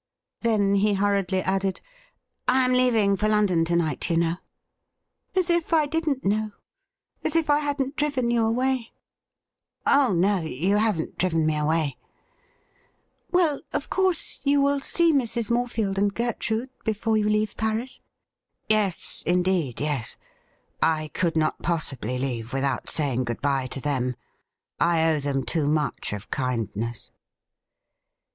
Then he hurriedly added :' I am leaving for London to night, you know.' ' As if I didn't know ! As if I hadn't driven you away !'' Oh no, you haven't driven me away.' THE SWEET SORROW OF PARTING 121 'Well, of covu se you will see Mrs, Morefield and Gertrude before you leave Paris ?'' Yes, indeed yes. I could not possibly leave without saying good bye to them ; I owe them too much of kind ness.'